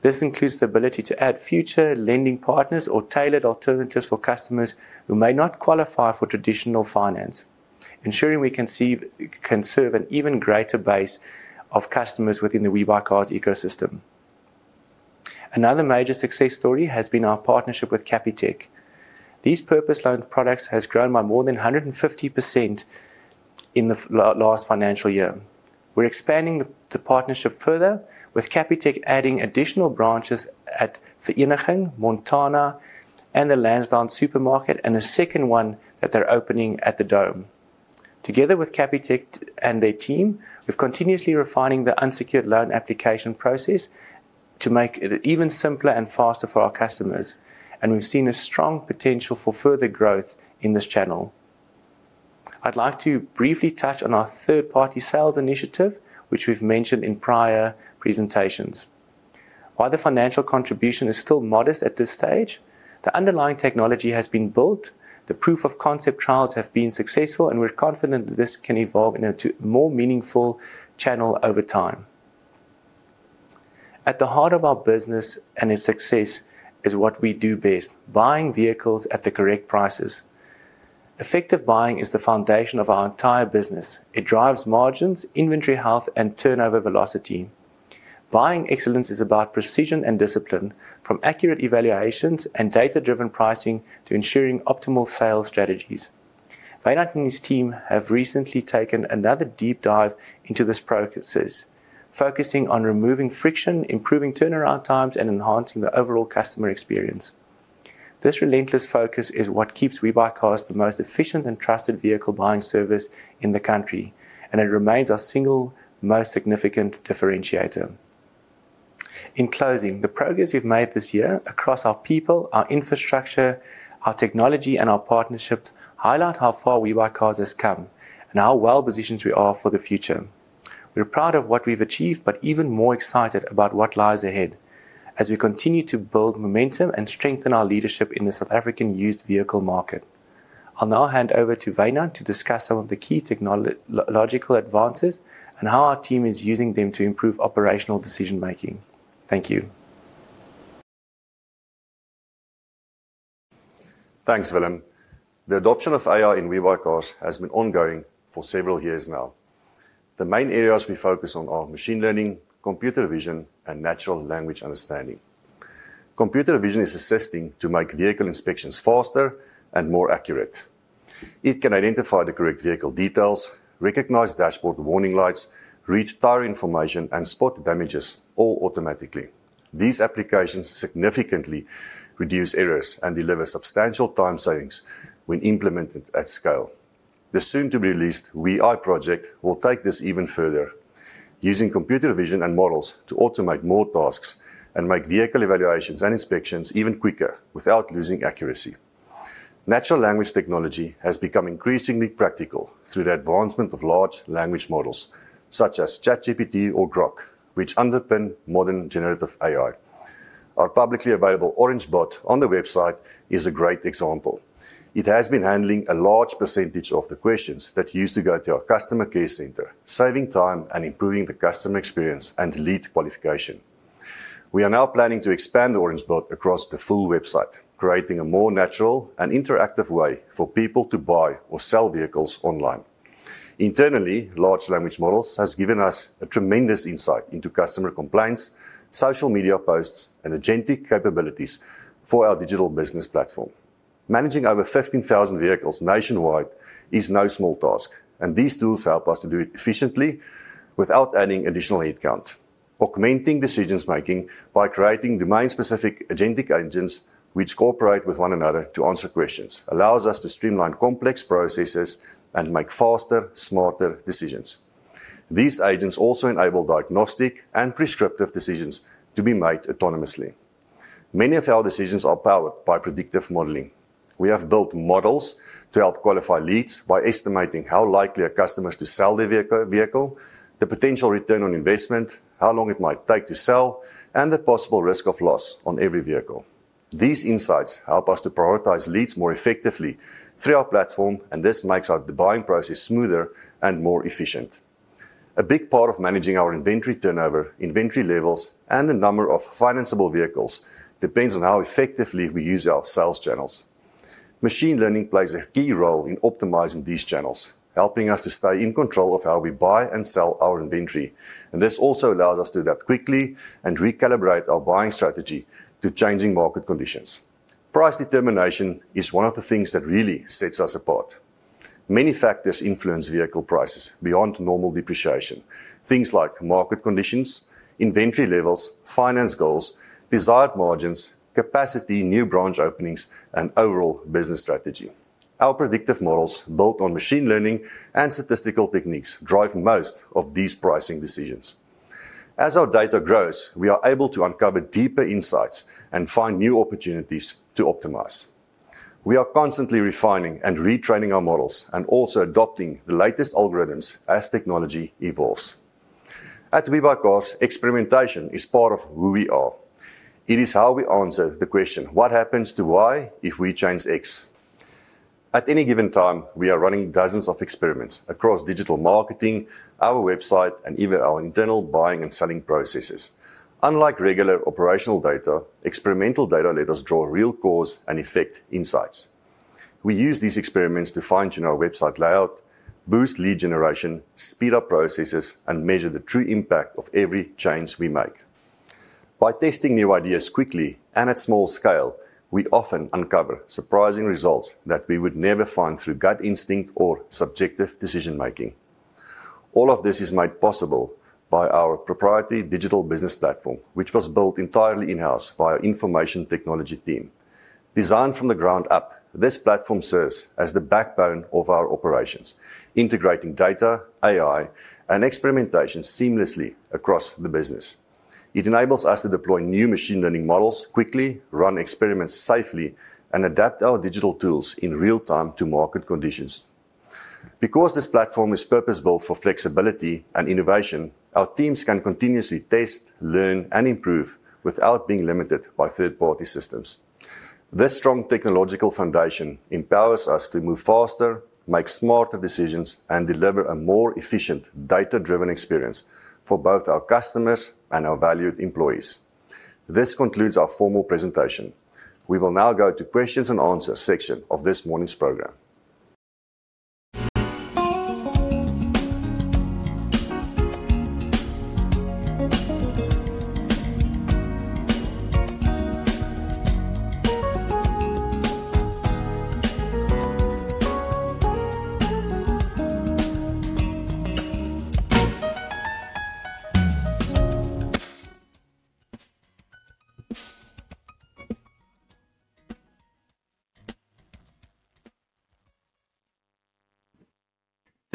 This includes the ability to add future lending partners or tailored alternatives for customers who may not qualify for traditional finance, ensuring we can serve an even greater base of customers within the WeBuyCars ecosystem. Another major success story has been our partnership with Capitec. These purpose-loaned products have grown by more than 150% in the last financial year. We are expanding the partnership further, with Capitec adding additional branches at Vereeniging, Montana, and the Lansdowne supermarket, and a second one that they are opening at the Dome. Together with Capitec and their team, we are continuously refining the unsecured loan application process to make it even simpler and faster for our customers, and we have seen a strong potential for further growth in this channel. I would like to briefly touch on our third-party sales initiative, which we have mentioned in prior presentations. While the financial contribution is still modest at this stage, the underlying technology has been built, the proof-of-concept trials have been successful, and we're confident that this can evolve into a more meaningful channel over time. At the heart of our business and its success is what we do best: buying vehicles at the correct prices. Effective buying is the foundation of our entire business. It drives margins, inventory health, and turnover velocity. Buying excellence is about precision and discipline, from accurate evaluations and data-driven pricing to ensuring optimal sales strategies. Vereeniging's team have recently taken another deep dive into this process, focusing on removing friction, improving turnaround times, and enhancing the overall customer experience. This relentless focus is what keeps WeBuyCars the most efficient and trusted vehicle buying service in the country, and it remains our single most significant differentiator. In closing, the progress we've made this year across our people, our infrastructure, our technology, and our partnerships highlights how far WeBuyCars has come and how well-positioned we are for the future. We're proud of what we've achieved, but even more excited about what lies ahead as we continue to build momentum and strengthen our leadership in the South African used vehicle market. I'll now hand over to Wynand to discuss some of the key technological advances and how our team is using them to improve operational decision-making. Thank you. Thanks, Willem. The adoption of AI in WeBuyCars has been ongoing for several years now. The main areas we focus on are machine learning, computer vision, and natural language understanding. Computer vision is assisting to make vehicle inspections faster and more accurate. It can identify the correct vehicle details, recognize dashboard warning lights, read tire information, and spot damages all automatically. These applications significantly reduce errors and deliver substantial time savings when implemented at scale. The soon-to-be-released [WeAll] project will take this even further, using computer vision and models to automate more tasks and make vehicle evaluations and inspections even quicker without losing accuracy. Natural language technology has become increasingly practical through the advancement of large language models such as ChatGPT or Grok, which underpin modern generative AI. Our publicly available Orange Bot on the website is a great example. It has been handling a large percentage of the questions that used to go to our customer care center, saving time and improving the customer experience and lead qualification. We are now planning to expand the Orange Bot across the full website, creating a more natural and interactive way for people to buy or sell vehicles online. Internally, large language models have given us tremendous insight into customer complaints, social media posts, and agentic capabilities for our digital business platform. Managing over 15,000 vehicles nationwide is no small task, and these tools help us to do it efficiently without adding additional headcount. Augmenting decision-making by creating domain-specific agentic agents, which cooperate with one another to answer questions, allows us to streamline complex processes and make faster, smarter decisions. These agents also enable diagnostic and prescriptive decisions to be made autonomously. Many of our decisions are powered by predictive modeling. We have built models to help qualify leads by estimating how likely are customers to sell the vehicle, the potential return on investment, how long it might take to sell, and the possible risk of loss on every vehicle. These insights help us to prioritize leads more effectively through our platform, and this makes our buying process smoother and more efficient. A big part of managing our inventory turnover, inventory levels, and the number of financeable vehicles depends on how effectively we use our sales channels. Machine learning plays a key role in optimizing these channels, helping us to stay in control of how we buy and sell our inventory, and this also allows us to adapt quickly and recalibrate our buying strategy to changing market conditions. Price determination is one of the things that really sets us apart. Many factors influence vehicle prices beyond normal depreciation, things like market conditions, inventory levels, finance goals, desired margins, capacity, new branch openings, and overall business strategy. Our predictive models built on machine learning and statistical techniques drive most of these pricing decisions. As our data grows, we are able to uncover deeper insights and find new opportunities to optimize. We are constantly refining and retraining our models and also adopting the latest algorithms as technology evolves. At WeBuyCars, experimentation is part of who we are. It is how we answer the question, "What happens to Y if we change X?" At any given time, we are running dozens of experiments across digital marketing, our website, and even our internal buying and selling processes. Unlike regular operational data, experimental data let us draw real cause and effect insights. We use these experiments to fine-tune our website layout, boost lead generation, speed up processes, and measure the true impact of every change we make. By testing new ideas quickly and at small scale, we often uncover surprising results that we would never find through gut instinct or subjective decision-making. All of this is made possible by our proprietary digital business platform, which was built entirely in-house by our information technology team. Designed from the ground up, this platform serves as the backbone of our operations, integrating data, AI, and experimentation seamlessly across the business. It enables us to deploy new machine learning models quickly, run experiments safely, and adapt our digital tools in real time to market conditions. Because this platform is purpose-built for flexibility and innovation, our teams can continuously test, learn, and improve without being limited by third-party systems. This strong technological foundation empowers us to move faster, make smarter decisions, and deliver a more efficient data-driven experience for both our customers and our valued employees. This concludes our formal presentation. We will now go to the questions and answers section of this morning's program.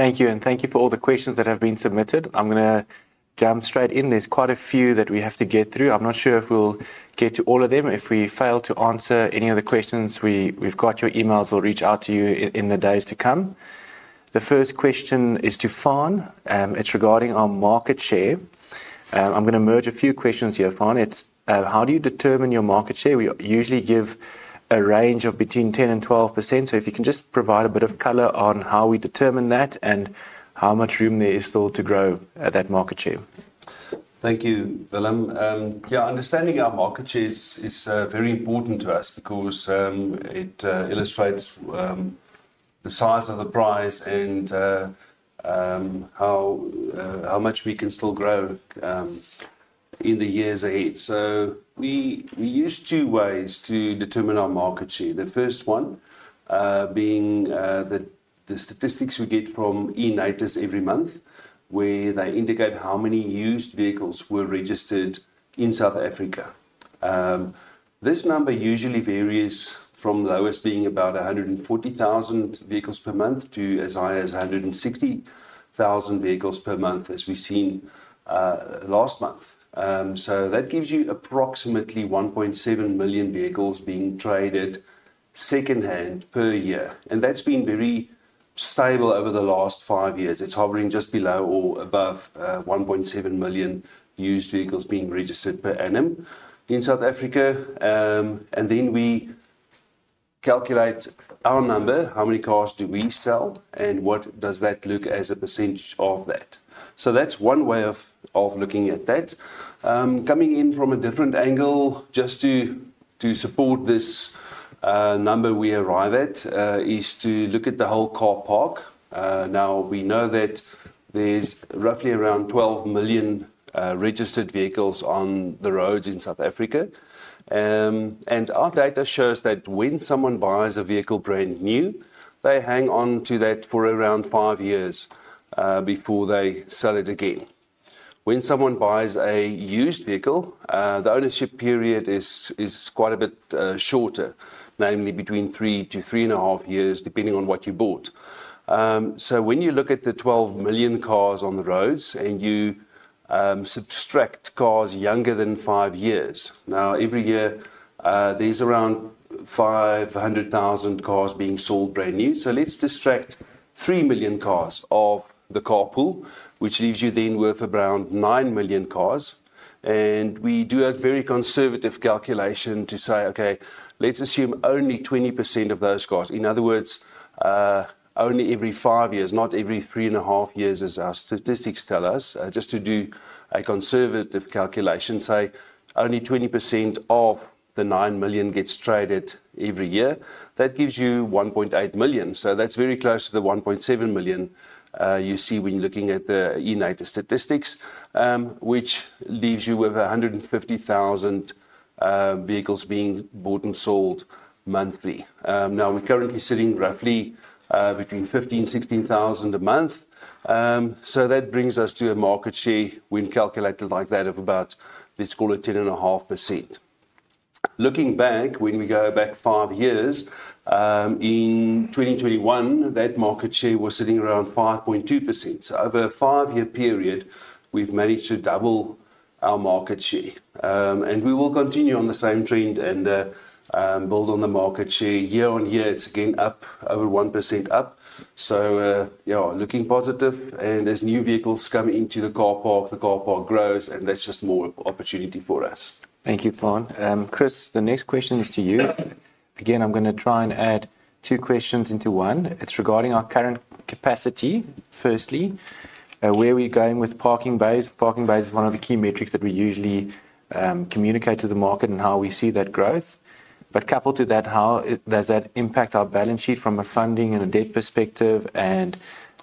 Thank you, and thank you for all the questions that have been submitted. I'm going to jump straight in. There's quite a few that we have to get through. I'm not sure if we'll get to all of them. If we fail to answer any of the questions, we've got your emails, we'll reach out to you in the days to come. The first question is to Faan. It's regarding our market share. I'm going to merge a few questions here, Faan. It's, "How do you determine your market share?" We usually give a range of between 10% and 12%, so if you can just provide a bit of color on how we determine that and how much room there is still to grow at that market share. Thank you, Willem. Yeah, understanding our market share is very important to us because it illustrates the size of the prize and how much we can still grow in the years ahead. We use two ways to determine our market share. The first one being the statistics we get from eNaTIS every month, where they indicate how many used vehicles were registered in South Africa. This number usually varies from the lowest being about 140,000 vehicles per month to as high as 160,000 vehicles per month, as we've seen last month. That gives you approximately 1.7 million vehicles being traded secondhand per year, and that's been very stable over the last five years. It's hovering just below or above 1.7 million used vehicles being registered per annum in South Africa. We calculate our number, how many cars do we sell, and what does that look as a percentage of that? That's one way of looking at that. Coming in from a different angle, just to support this number we arrive at, is to look at the whole car park. We know that there's roughly around 12 million registered vehicles on the roads in South Africa, and our data shows that when someone buys a vehicle brand new, they hang on to that for around five years before they sell it again. When someone buys a used vehicle, the ownership period is quite a bit shorter, namely between three to three and a half years, depending on what you bought. When you look at the 12 million cars on the roads and you subtract cars younger than five years, now every year there's around 500,000 cars being sold brand new. Let's subtract 3 million cars off the carpool, which leaves you then with around 9 million cars. We do a very conservative calculation to say, "Okay, let's assume only 20% of those cars." In other words, only every five years, not every three and a half years, as our statistics tell us, just to do a conservative calculation, say only 20% of the 9 million gets traded every year. That gives you 1.8 million. That's very close to the 1.7 million you see when you're looking at the eNatus statistics, which leaves you with 150,000 vehicles being bought and sold monthly. Now, we're currently sitting roughly between 15,000-16,000 a month. That brings us to a market share, when calculated like that, of about, let's call it 10.5%. Looking back, when we go back five years, in 2021, that market share was sitting around 5.2%. Over a five-year period, we've managed to double our market share, and we will continue on the same trend and build on the market share. Year on year, it's again up over 1% up. Looking positive, and as new vehicles come into the car park, the car park grows, and that's just more opportunity for us. Thank you, Faan. Chris, the next question is to you. Again, I'm going to try and add two questions into one. It's regarding our current capacity. Firstly, where are we going with parking bays? Parking bays is one of the key metrics that we usually communicate to the market and how we see that growth. Coupled to that, how does that impact our balance sheet from a funding and a debt perspective and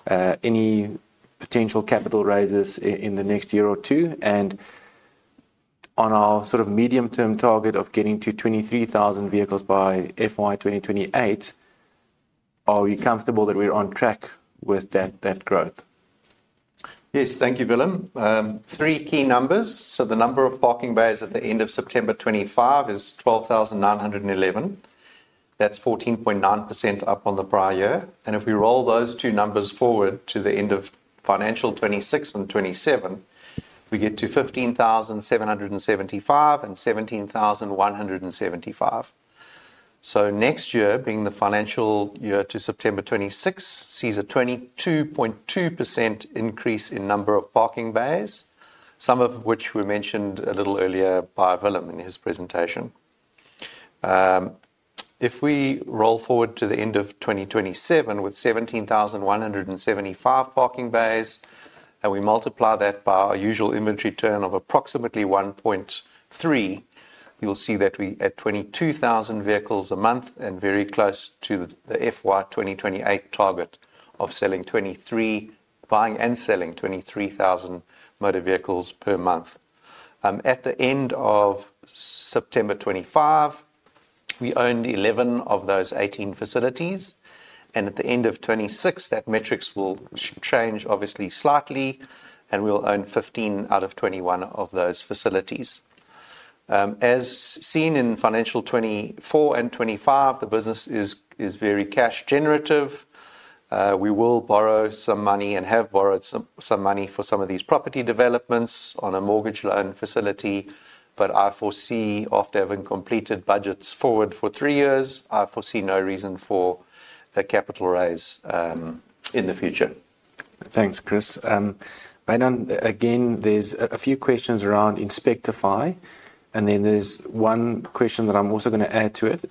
any potential capital raises in the next year or two? On our sort of medium-term target of getting to 23,000 vehicles by FY 2028, are we comfortable that we're on track with that growth? Yes, thank you, Willem. Three key numbers. The number of parking bays at the end of September 2025 is 12,911. That's 14.9% up on the prior year. If we roll those two numbers forward to the end of financial 2026 and 2027, we get to 15,775 and 17,175. Next year, being the financial year to September 2026, sees a 22.2% increase in number of parking bays, some of which were mentioned a little earlier by Willem in his presentation. If we roll forward to the end of 2027 with 17,175 parking bays, and we multiply that by our usual inventory turn of approximately 1.3, you'll see that we add 22,000 vehicles a month and very close to the FY 2028 target of selling 23, buying and selling 23,000 motor vehicles per month. At the end of September 2025, we owned 11 of those 18 facilities, and at the end of 2026, that metrics will change obviously slightly, and we'll own 15 out of 21 of those facilities. As seen in financial 2024 and 2025, the business is very cash-generative. We will borrow some money and have borrowed some money for some of these property developments on a mortgage loan facility, but I foresee after having completed budgets forward for three years, I foresee no reason for a capital raise in the future. Thanks, Chris. Wynand again, there's a few questions around Inspectify, and then there's one question that I'm also going to add to it.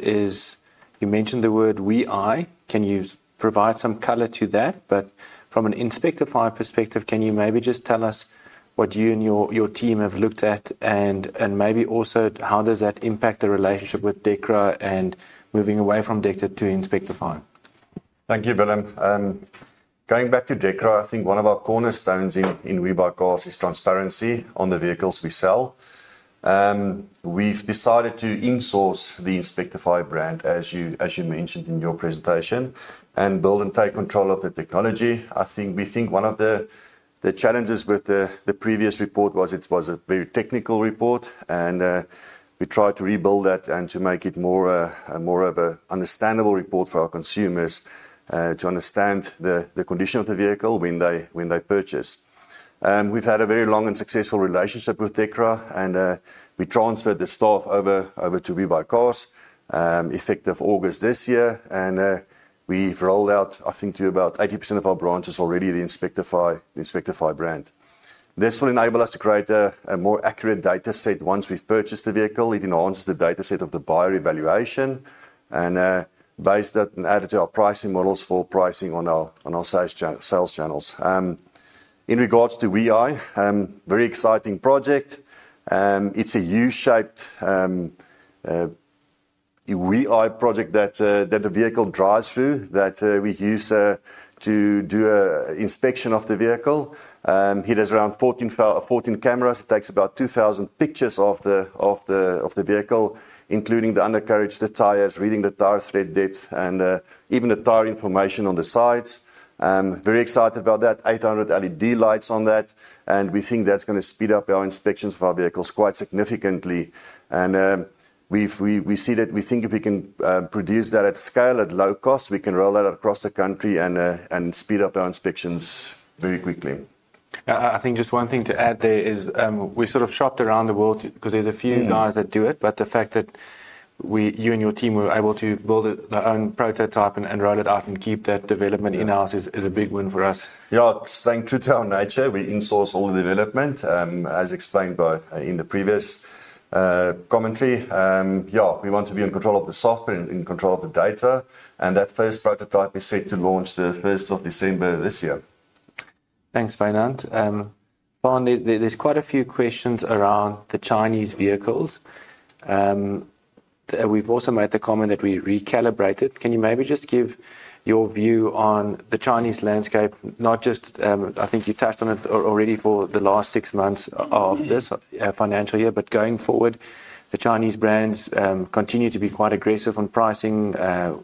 You mentioned the word [WeAll]. Can you provide some color to that? From an Inspectify perspective, can you maybe just tell us what you and your team have looked at, and maybe also how does that impact the relationship with Dekra and moving away from Dekra to Inspectify? Thank you, Willem. Going back to Dekra, I think one of our cornerstones in WeBuyCars is transparency on the vehicles we sell. We've decided to insource the Inspectify brand, as you mentioned in your presentation, and build and take control of the technology. I think one of the challenges with the previous report was it was a very technical report, and we tried to rebuild that and to make it more of an understandable report for our consumers to understand the condition of the vehicle when they purchase. We've had a very long and successful relationship with Dekra, and we transferred the staff over to WeBuyCars effective August this year, and we've rolled out, I think, to about 80% of our branches already the Inspectify brand. This will enable us to create a more accurate data set once we've purchased the vehicle. It enhances the data set of the buyer evaluation and added to our pricing models for pricing on our sales channels. In regards to [WeAll], very exciting project. It's a U-shaped [WeAll] project that the vehicle drives through that we use to do an inspection of the vehicle. It has around 14 cameras. It takes about 2,000 pictures of the vehicle, including the undercarriage, the tires, reading the tire tread depth, and even the tire information on the sides. Very excited about that. 800 LED lights on that, and we think that's going to speed up our inspections of our vehicles quite significantly. We see that we think if we can produce that at scale at low cost, we can roll that across the country and speed up our inspections very quickly. I think just one thing to add there is we sort of shopped around the world because there's a few guys that do it, but the fact that you and your team were able to build the prototype and roll it out and keep that development in-house is a big win for us. Yeah, staying true to our nature, we insource all the development, as explained in the previous commentary. Yeah, we want to be in control of the software and in control of the data, and that first prototype is set to launch the 1st of December this year. Thanks, Wynand. Faan, there's quite a few questions around the Chinese vehicles. We've also made the comment that we recalibrated. Can you maybe just give your view on the Chinese landscape? Not just, I think you touched on it already for the last six months of this financial year, but going forward, the Chinese brands continue to be quite aggressive on pricing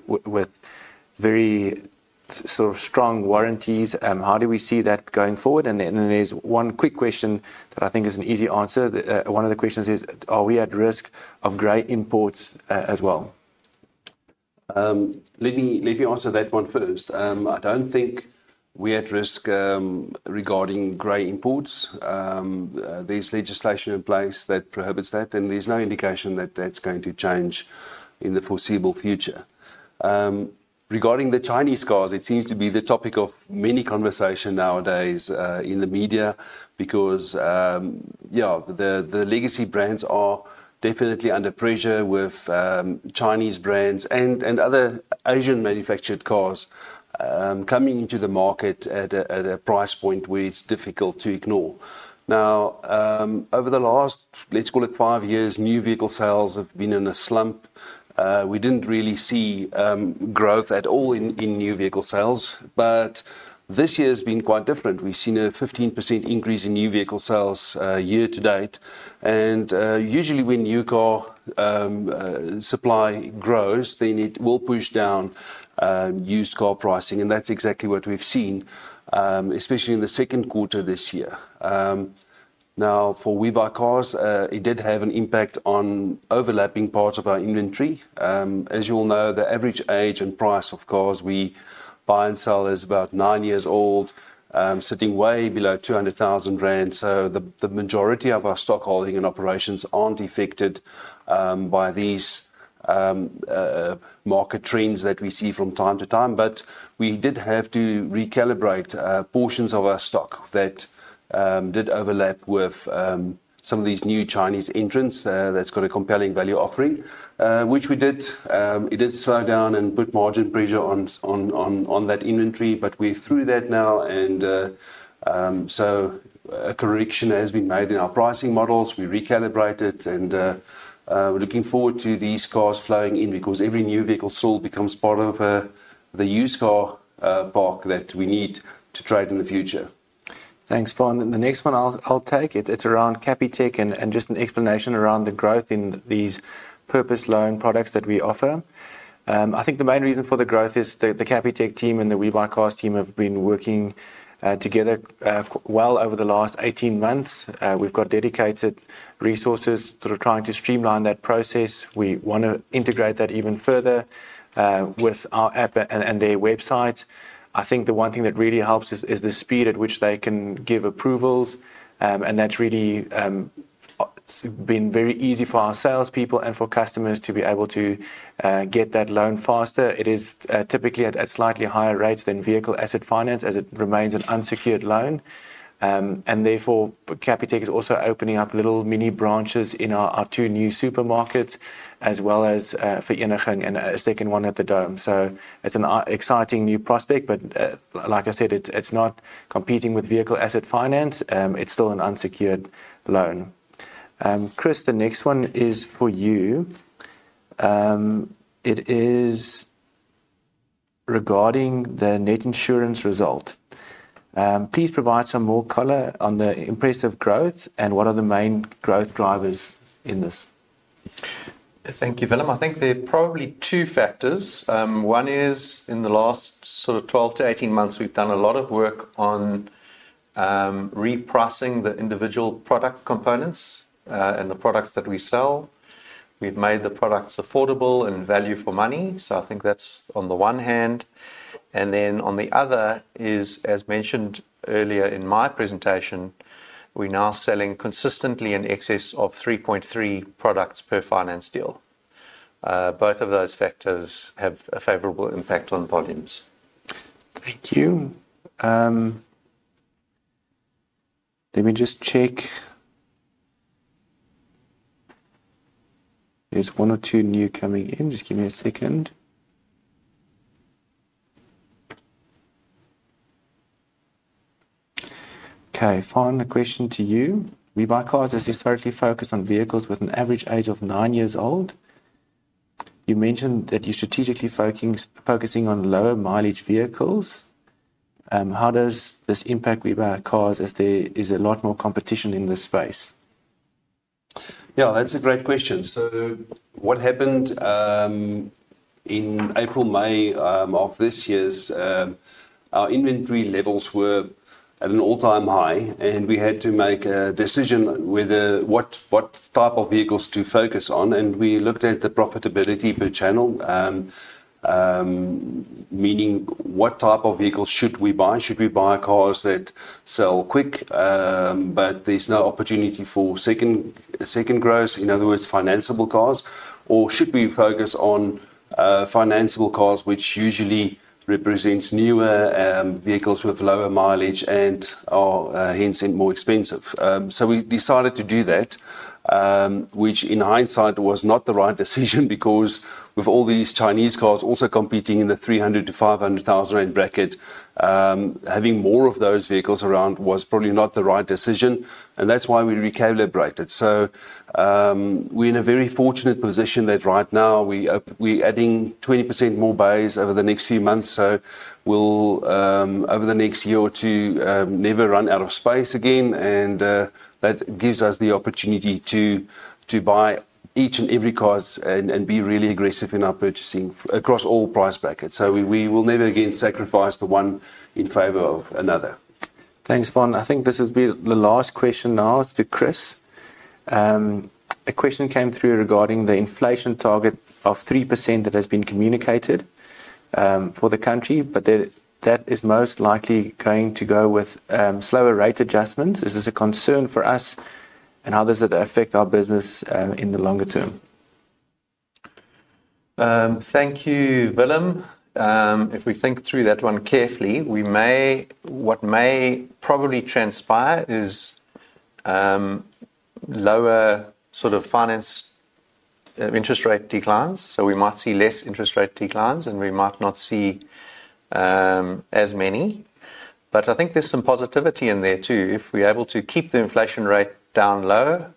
with very strong warranties. How do we see that going forward? There is one quick question that I think is an easy answer. One of the questions is, are we at risk of gray imports as well? Let me answer that one first. I do not think we are at risk regarding gray imports. There is legislation in place that prohibits that, and there is no indication that that is going to change in the foreseeable future. Regarding the Chinese cars, it seems to be the topic of many conversations nowadays in the media because, yeah, the legacy brands are definitely under pressure with Chinese brands and other Asian-manufactured cars coming into the market at a price point where it is difficult to ignore. Now, over the last, let's call it five years, new vehicle sales have been in a slump. We didn't really see growth at all in new vehicle sales, but this year has been quite different. We've seen a 15% increase in new vehicle sales year to date, and usually when new car supply grows, then it will push down used car pricing, and that's exactly what we've seen, especially in the second quarter this year. Now, for WeBuyCars, it did have an impact on overlapping parts of our inventory. As you all know, the average age and price of cars we buy and sell is about nine years old, sitting way below 200,000 rand. The majority of our stock holding and operations are not affected by these market trends that we see from time to time, but we did have to recalibrate portions of our stock that did overlap with some of these new Chinese entrants that have a compelling value offering, which we did. It did slow down and put margin pressure on that inventory, but we are through that now, and a correction has been made in our pricing models. We recalibrated it, and we are looking forward to these cars flowing in because every new vehicle sold becomes part of the used car park that we need to trade in the future. Thanks, Faan. The next one I will take, it is around Capitec and just an explanation around the growth in these purpose-loan products that we offer. I think the main reason for the growth is the Capitec team and the WeBuyCars team have been working together well over the last 18 months. We've got dedicated resources sort of trying to streamline that process. We want to integrate that even further with our app and their websites. I think the one thing that really helps us is the speed at which they can give approvals, and that's really been very easy for our salespeople and for customers to be able to get that loan faster. It is typically at slightly higher rates than vehicle asset finance as it remains an unsecured loan, and therefore Capitec is also opening up little mini branches in our two new supermarkets, as well as for Vereeniging and a second one at the Dome. It's an exciting new prospect, but like I said, it's not competing with vehicle asset finance. It's still an unsecured loan. Chris, the next one is for you. It is regarding the net insurance result. Please provide some more color on the impressive growth and what are the main growth drivers in this. Thank you, Willem. I think there are probably two factors. One is in the last sort of 12 to 18 months, we've done a lot of work on repricing the individual product components and the products that we sell. We've made the products affordable and value for money. I think that's on the one hand. On the other is, as mentioned earlier in my presentation, we're now selling consistently in excess of 3.3 products per finance deal. Both of those factors have a favorable impact on volumes. Thank you. Let me just check. There's one or two new coming in. Just give me a second. Okay, Faan, a question to you. WeBuyCars is historically focused on vehicles with an average age of nine years old. You mentioned that you're strategically focusing on lower mileage vehicles. How does this impact WeBuyCars as there is a lot more competition in this space? Yeah, that's a great question. What happened in April, May of this year is our inventory levels were at an all-time high, and we had to make a decision what type of vehicles to focus on. We looked at the profitability per channel, meaning what type of vehicles should we buy? Should we buy cars that sell quick, but there's no opportunity for second growth, in other words, financiable cars, or should we focus on financiable cars, which usually represents newer vehicles with lower mileage and are hence more expensive? We decided to do that, which in hindsight was not the right decision because with all these Chinese cars also competing in the 300,000-500,000 rand range bracket, having more of those vehicles around was probably not the right decision, and that's why we recalibrated. We're in a very fortunate position that right now we're adding 20% more bays over the next few months. Over the next year or two, we'll never run out of space again, and that gives us the opportunity to buy each and every car and be really aggressive in our purchasing across all price brackets. We will never again sacrifice the one in favor of another. Thanks, Faan. I think this has been the last question now to Chris. A question came through regarding the inflation target of 3% that has been communicated for the country, but that is most likely going to go with slower rate adjustments. Is this a concern for us, and how does it affect our business in the longer term? Thank you, Willem. If we think through that one carefully, what may probably transpire is lower sort of finance interest rate declines. We might see less interest rate declines, and we might not see as many. I think there's some positivity in there too. If we're able to keep the inflation rate down low,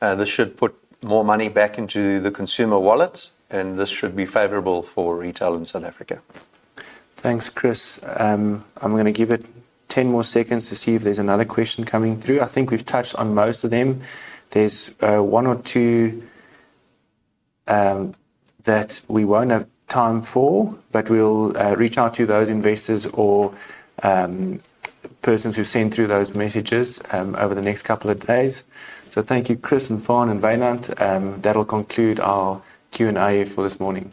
this should put more money back into the consumer wallet, and this should be favorable for retail in South Africa. Thanks, Chris. I'm going to give it 10 more seconds to see if there's another question coming through. I think we've touched on most of them. There's one or two that we won't have time for, but we'll reach out to those investors or persons who've sent through those messages over the next couple of days. Thank you, Chris, Faan, and Wynand. That'll conclude our Q&A for this morning.